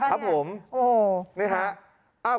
ครับผมนี่ฮะ